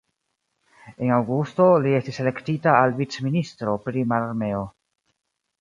En aŭgusto, li estis elektita al vicministro pri mararmeo.